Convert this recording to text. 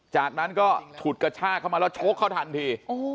จากนั้นก็ฉุดกระชากเข้ามาแล้วชกเขาทันที